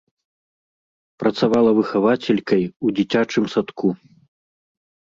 Працавала выхавацелькай у дзіцячым садку.